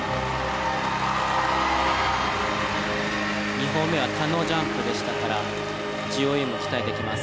２本目はタノジャンプでしたからＧＯＥも期待できます。